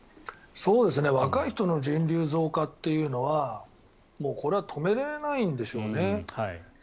若い人の人流増加っていうのはもう、これは止めれないんでしょうね。